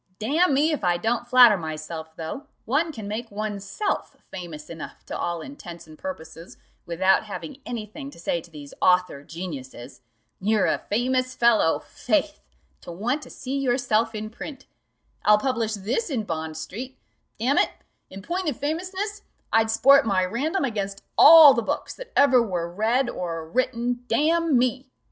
"Damn me, if I don't flatter myself, though, one can make oneself famous enough to all intents and purposes without having any thing to say to these author geniuses. You're a famous fellow, faith! to want to see yourself in print I'll publish this in Bond street: damn it, in point of famousness, I'd sport my Random against all the books that ever were read or written, damn me!